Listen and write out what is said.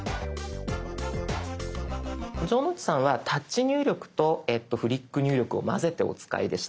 城之内さんはタッチ入力とフリック入力をまぜてお使いでした。